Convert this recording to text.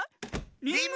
リム。